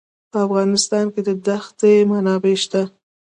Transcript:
په افغانستان کې د ښتې منابع شته.